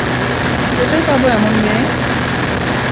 কোথায় পাবো এমন মেয়ে?